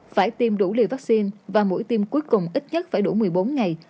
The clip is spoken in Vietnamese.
phải tiêm đủ liều vaccine và mũi tiêm cuối cùng ít nhất phải đủ một mươi bốn ngày